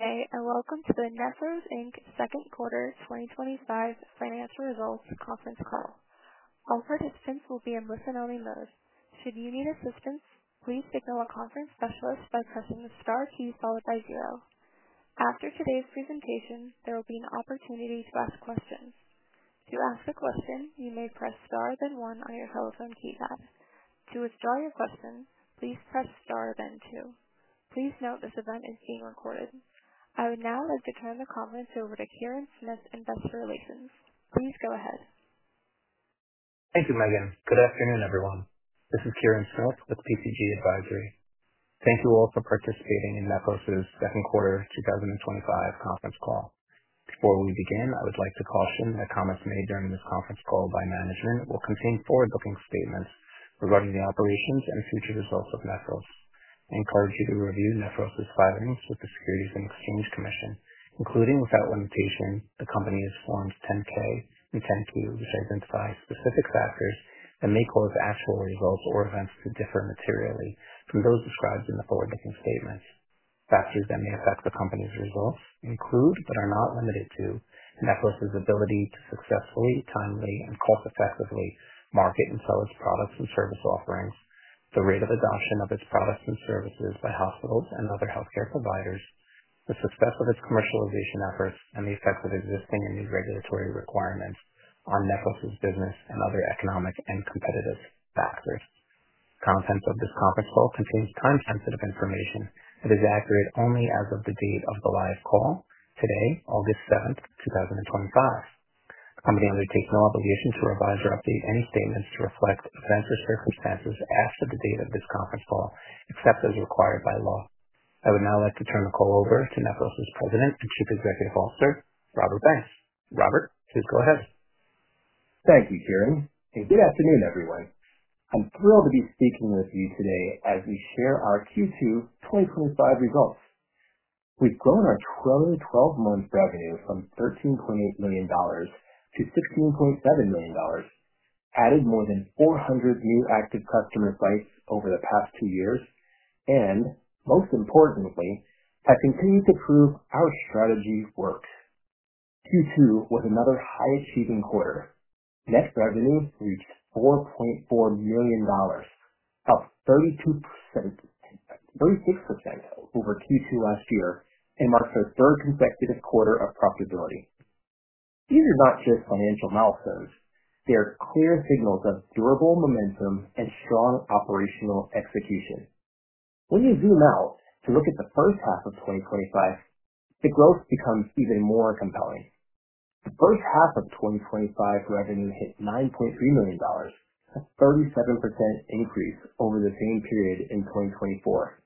Okay, and welcome to the Nephros, Inc. Second Quarter 2025 Financial Results Conference Call. All participants will be in listen-only mode. Should you need assistance, please signal a conference specialist by pressing the star key followed by zero. After today's presentation, there will be an opportunity to ask questions. To ask a question, you may press star then one on your telephone keypad. To withdraw your questions, please press star then two. Please note this event is being recorded. I would now like to turn the conference over to Kirin Smith investor relations. Please go ahead. Thank you, Megan. Good afternoon, everyone. This is Kirin Smith with PCG Advisory. Thank you all for participating in Nephros's second quarter 2025 conference call. Before we begin, I would like to caution that comments made during this conference call by management will contain forward-looking statements regarding the operations and future results of Nephros. On call here to review Nephros's bilingual statistics and exchange commission, including without limitation, the company is formed from 12, be 10 to identify specific factors that may cause actual results or events to differ materially from those described in the forward-looking statements. Factors that may affect the company's results include, but are not limited to, Nephros's ability to successfully, timely, and cost-effectively market and sell its products and service offerings, the rate of adoption of its products and services by hospitals and other healthcare providers, the success of its commercialization efforts, and the effect of existing and new regulatory requirements on Nephros's business and other economic and competitive factors. The contents of this conference call contain time-sensitive information. It is accurate only as of the date of the live call today, August 7, 2025. I'm going to undertake no obligation to revise or update any statements to reflect events or circumstances as to the date of this conference call, except as required by law. I would now like to turn the call over to Nephros's President and Chief Executive Officer, Robert Banks. Robert, please go ahead. Thank you, Kirin. Good afternoon, everyone. I'm thrilled to be speaking with you today as we share our Q2 2025 results. We've grown our total 12-month revenue from $13.8 million-$16.7 million, added more than 400 new active customer sites over the past two years, and most importantly, have continued to prove our strategy works. Q2 was another high-achieving quarter. Net revenue reached $4.4 million, up 36% over Q2 last year, and marks the third consecutive quarter of profitability. These are not just financial milestones, they are clear signals of durable momentum and strong operational execution. When you zoom out to look at the first half of 2025, the growth becomes even more compelling. The first half of 2025 revenue hit $9.3 million, a 37% increase over the same period in 2024.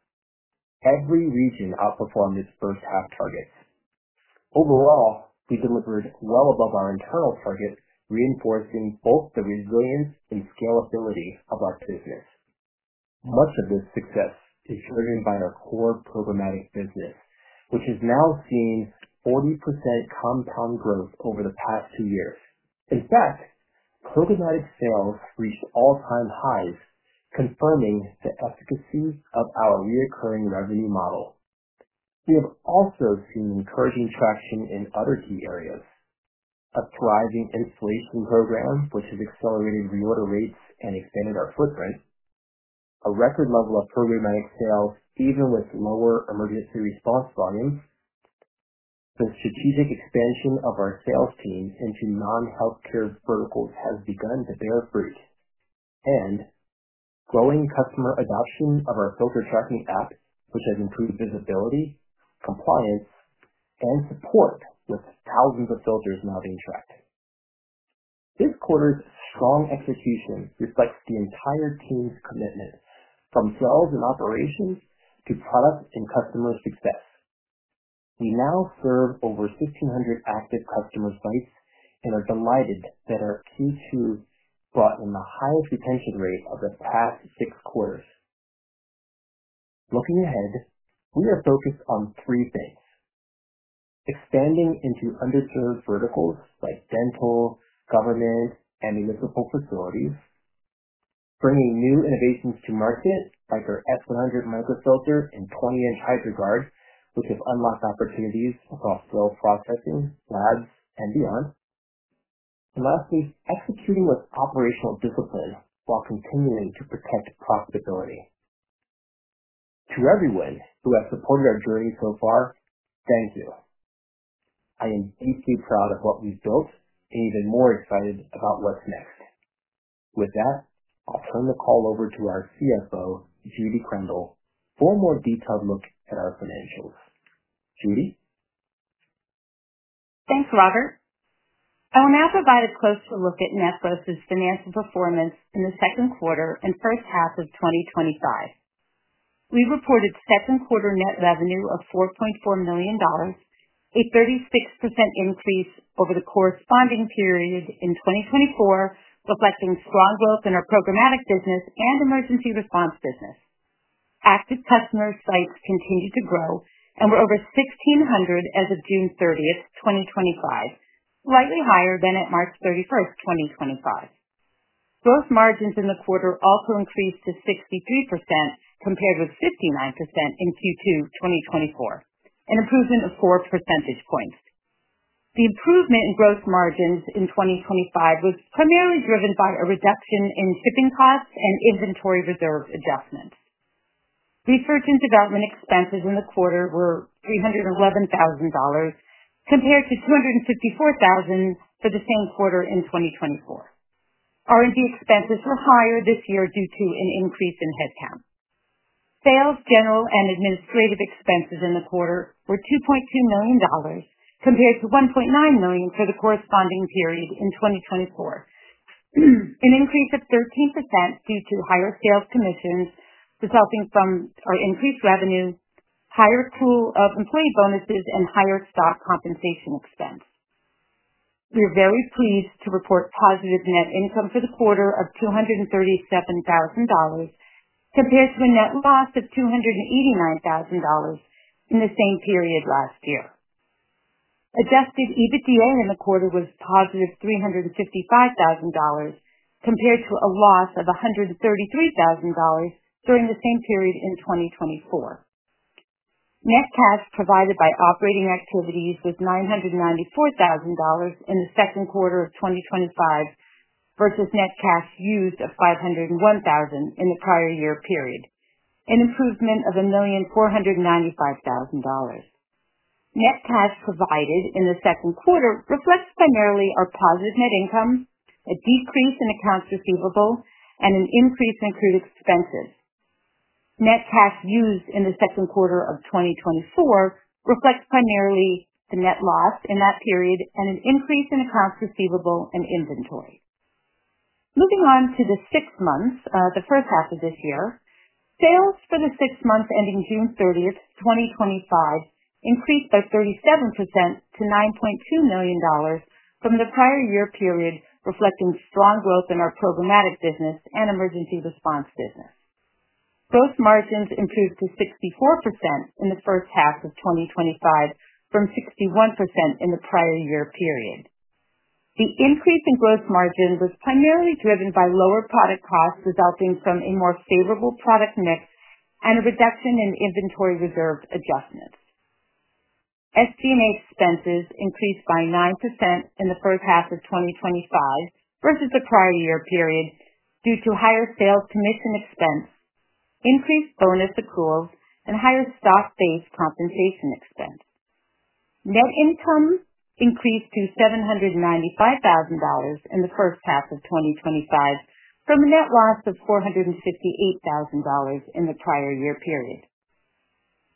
Every region outperformed its first half targets. Overall, we delivered well above our internal targets, reinforcing both the resilience and scalability of our business. Much of this success is driven by our core programmatic business, which has now seen 40% compound growth over the past two years. In fact, programmatic sales reached all-time highs, confirming the efficacy of our recurring revenue model. We have also seen encouraging traction in other key areas: a thriving installation program, which has accelerated reorder rates and expanded our footprint, a record level of programmatic sales, even with lower emergency response volumes, the strategic expansion of our sales teams into non-healthcare verticals has begun to pay off, and growing customer adoption of our filter tracking app, which has improved visibility, compliance, and support, with thousands of filters now being tracked. This quarter's strong execution reflects the entire team's commitment, from sales and operations to product and customer success. We now serve over 1,500 active customer sites and are delighted that our Q2 brought in the highest retention rate of the past six quarters. Looking ahead, we are focused on three things: expanding into underserved verticals like dental, government, and municipal facilities, bringing new innovations to market like our S100 microfilter and 20-inch HydraGuard, which have unlocked opportunities across sterile processing, laboratories, and beyond, and lastly, executing with operational discipline while continuing to protect profitability. To everyone who has supported our journey so far, thank you. I am deeply proud of what we've built and even more excited about what's next. With that, I'll turn the call over to our CFO, Judy Krandel, for a more detailed look at our financials. Judy? Thanks, Robert. I will now provide a closer look at Nephros's financial performance in the second quarter and first half of 2025. We reported second quarter net revenue of $4.4 million, a 36% increase over the corresponding period in 2024, reflecting strong growth in our programmatic business and emergency response business. Active customer sites continued to grow and were over 1,600 as of June 30, 2025, slightly higher than at March 31, 2025. Gross margins in the quarter also increased to 63% compared with 59% in Q2 2024, an improvement of 4 percentage points. The improvement in gross margins in 2025 was primarily driven by a reduction in shipping costs and inventory reserves adjustment. Research and development expenses in the quarter were $311,000 compared to $254,000 for the same quarter in 2024. R&D expenses were higher this year due to an increase in headcount. Sales, general, and administrative expenses in the quarter were $2.2 million compared to $1.9 million for the corresponding period in 2024, an increase of 13% due to higher sales commissions resulting from our increased revenue, higher pool of employee bonuses, and higher stock compensation expense. We are very pleased to report positive net income for the quarter of $237,000 compared to a net loss of $289,000 in the same period last year. Adjusted EBITDA in the quarter was positive $355,000 compared to a loss of $133,000 during the same period in 2024. Net cash provided by operating activities was $994,000 in the second quarter of 2025 versus net cash used of $501,000 in the prior year period, an improvement of $1,495,000. Net cash provided in the second quarter reflects primarily our positive net income, a decrease in accounts receivable, and an increase in accrued expenses. Net cash used in the second quarter of 2024 reflects primarily the net loss in that period and an increase in accounts receivable and inventory. Moving on to the six months, the first half of this year, sales for the six months ending June 30, 2025 increased by 37% to $9.2 million from the prior year period, reflecting strong growth in our programmatic business and emergency response business. Gross margins improved to 64% in the first half of 2025 from 61% in the prior year period. The increase in gross margins was primarily driven by lower product costs resulting from a more favorable product mix and a reduction in inventory reserve adjustment. SG&A expenses increased by 9% in the first half of 2025 versus the prior year period due to higher sales commission expense, increased bonus accrual, and higher stock-based compensation expense. Net income increased to $795,000 in the first half of 2025 from a net loss of $458,000 in the prior year period.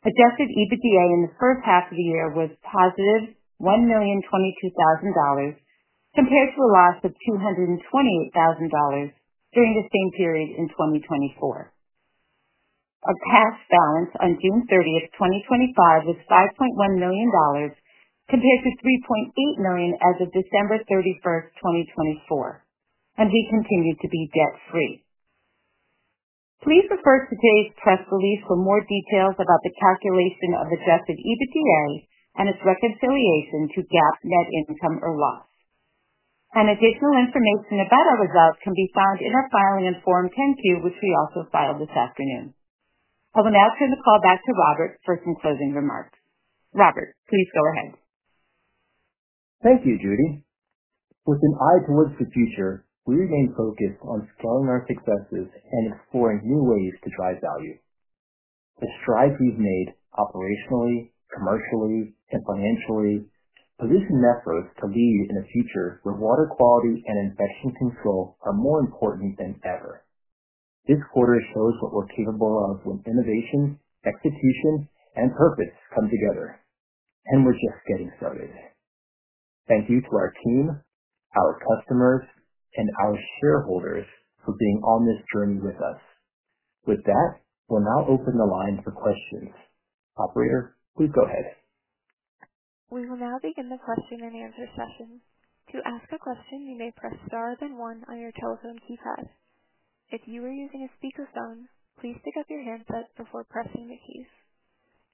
Adjusted EBITDA in the first half of the year was positive $1,022,000 compared to a loss of $228,000 during the same period in 2024. Our cash balance on June 30, 2025 was $5.1 million compared to $3.8 million as of December 31, 2024, and we continued to be debt-free. Please refer to today's press release for more details about the calculation of adjusted EBITDA and its reconciliation to GAAP net income or loss. Additional information about our results can be found in our filing in Form 10-Q, which we also filed this afternoon. I will now turn the call back to Robert for some closing remarks. Robert, please go ahead. Thank you, Judy. With an eye towards the future, we remain focused on scaling our successes and exploring new ways to drive value. The strides we've made operationally, commercially, and financially position Nephros to lead in a future where water quality and infection control are more important than ever. This quarter shows what we're capable of when innovation, execution, and purpose come together. We're just getting started. Thank you to our team, our customers, and our shareholders for being on this journey with us. With that, we'll now open the line for questions. Operator, please go ahead. We will now begin the question and answer session. To ask a question, you may press star then one on your telephone keypad. If you are using a speaker phone, please pick up your handset before pressing the keys.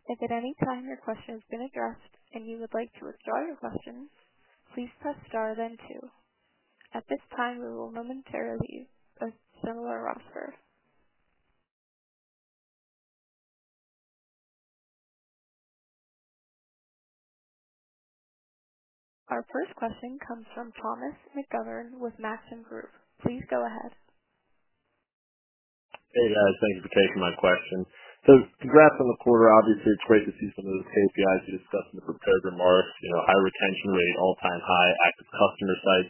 If at any time your question has been addressed and you would like to withdraw your questions, please press star then two. At this time, we will momentarily spin our roster. Our first question comes from Thomas McGovern with Mattson Group. Please go ahead. Thank you for taking my question. To wrap on the quarter, obviously, it's great to see some of those KPIs you discussed in the prepared remarks. Our retention rate, all-time high active customer sites.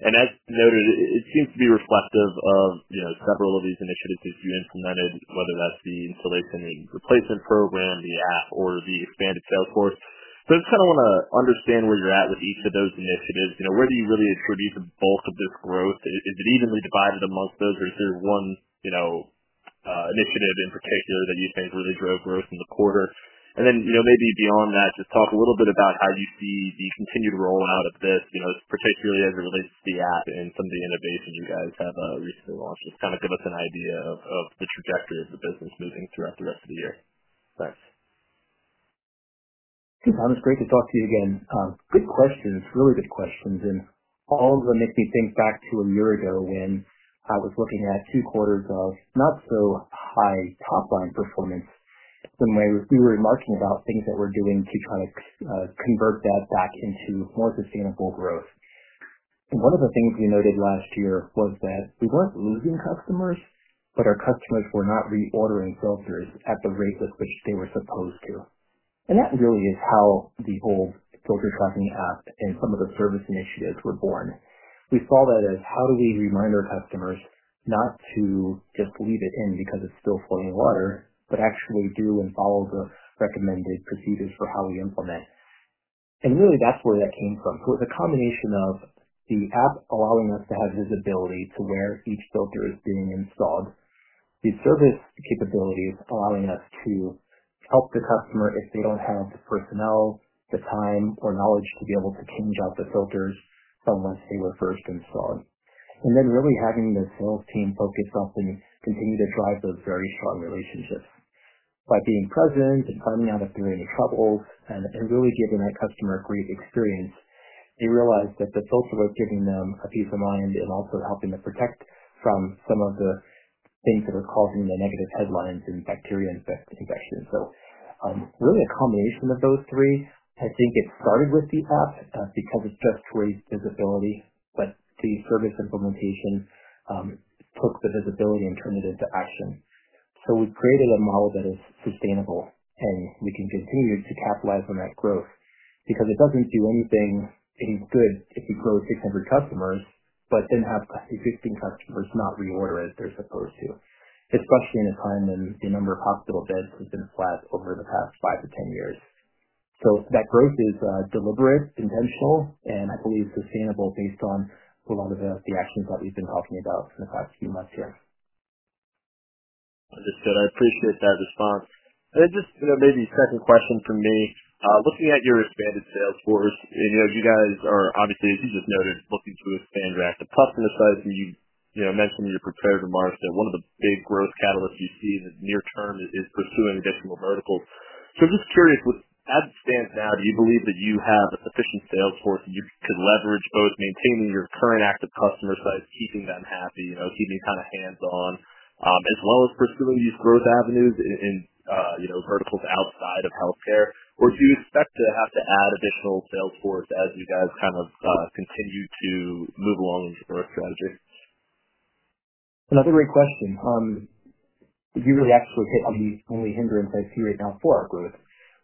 As noted, it seems to be reflective of several of these initiatives that you implemented, whether that's the installation and replacement program, the app, or the expanded sales force. I just want to understand where you're at with each of those initiatives. Where do you really foresee the bulk of this growth? Is it evenly divided amongst those, or is there one initiative in particular that you think really drove growth in the quarter? Maybe beyond that, just talk a little bit about how you see the continued rollout of this, particularly as it relates to the app and some of the innovations you guys have recently launched. Just give us an idea of the trajectories of the business moving throughout the rest of the year. Thanks. Hey, Bob, it's great to talk to you again. Good questions, really good questions. All of them make me think back to a year ago when I was looking at two quarters of not so high top-line performance. When we were marketing about things that we're doing to try to convert that back into more sustainable growth, one of the things we noted last year was that we weren't losing customers, but our customers were not reordering filters at the rates at which they were supposed to. That really is how the whole filter tracking app and some of the service initiatives were born. We saw that as how do we remind our customers not to just leave it in because it's still floating in the water, but actually do and follow the recommended procedures for how we implement. That’s where that came from. It was a combination of the app allowing us to have visibility to where each filter is being installed, the service capabilities allowing us to help the customer if they don't have the personnel, the time, or knowledge to be able to change out the filters unless they were first installed, and really having the sales team focus on helping continue to drive those very strong relationships. By being present and finding out if they're in trouble and really giving that customer a great experience, they realized that the filter was giving them peace of mind and also helping to protect from some of the things that are causing the negative headlines and bacteria and infections. A combination of those three. I think it started with the app because it just raised visibility, but the service implementation took the visibility and turned it into action. We created a model that is sustainable, and we can continue to capitalize on that growth because it doesn't do anything good if you close 600 customers, but then have existing customers not reorder as they're supposed to, especially in a time when the number of hospital beds has been flat over the past 5 to 10 years. That growth is deliberate, intentional, and I believe sustainable based on a lot of the SD askings that we've been talking about for the past few months here. That's good. I appreciate that response. Maybe a second question from me. Looking at your expanded sales force, you guys are obviously, as you've noticed, looking to expand your asset customer size. You mentioned in your prepared remarks that one of the big growth catalysts you see in the near term is pursuing additional verticals. I'm just curious, with that stance now, do you believe that you have efficient sales force to leverage both maintaining your current active customer size, keeping them happy, keeping kind of hands-on, as well as pursuing these growth avenues in verticals outside of healthcare? Do you expect to have to add additional sales force as you guys kind of continue to move along with your growth strategies? Another great question. You really actually hit on these only hindrances here right now for our growth.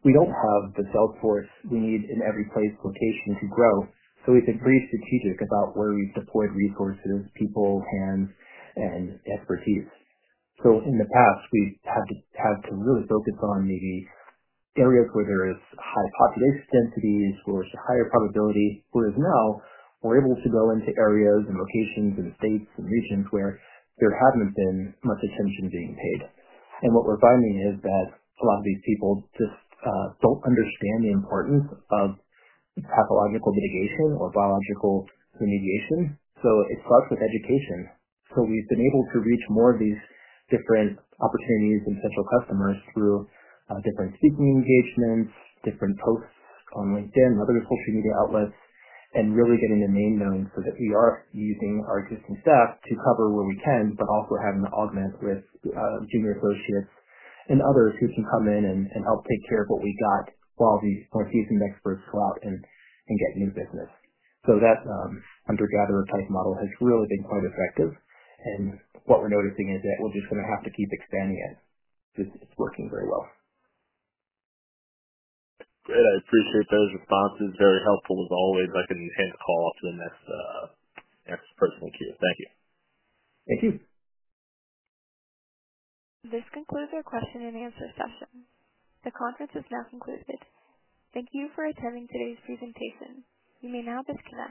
We don't have the sales force we need in every place location to grow. We've been pretty strategic about where we deploy resources, people, hands, and expertise. In the past, we've had to really focus on maybe areas where there is high population density or higher probability, whereas now we're able to go into areas and locations in the states and regions where there hasn't been much attention being paid. What we're finding is that a lot of these people just don't understand the importance of the pathological mitigation or biological remediation. It starts with education. We've been able to reach more of these different opportunities and potential customers through different speaking engagements, different posts on LinkedIn and other social media outlets, and really getting the name known so that we are using our existing staff to cover where we can, but also having to augment with junior associates and others who can come in and help take care of what we've got while these amazing experts go out and get new business. That undergathered approach model has really been quite effective. What we're noticing is that we're just going to have to keep expanding it. It's working very well. Good. I appreciate those responses. Very helpful as always. I can hand the call off to the next person here. Thank you. This concludes our question and answer session. The conference is now concluded. Thank you for attending today's presentation. You may now disconnect.